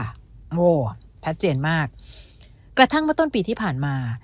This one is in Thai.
โอ้โหชัดเจนมากกระทั่งเมื่อต้นปีที่ผ่านมา